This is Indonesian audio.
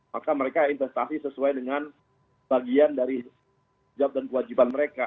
maka mereka investasi sesuai dengan bagian dari jawab dan kewajiban mereka